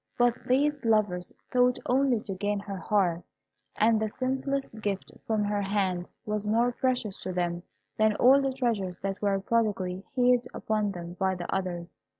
But these lovers sought only to gain her heart, and the simplest gift from her hand was more precious to them than all the treasures that were prodigally heaped upon them by the others.